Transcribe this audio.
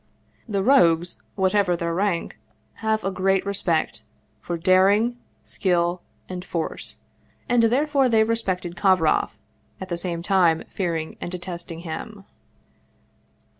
The rogues, whatever their rank, have a great respect for daring, skill, and force and therefore they respected Kovroff, at the same time fearing and detesting him.